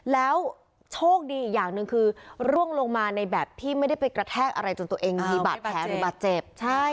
แล้วโชคดีอีกอย่างหนึ่งคือร่วงลงมาในแบบที่ไม่ได้ไปกระแทกอะไรจนตัวเองมีบาดแผลหรือบาดเจ็บใช่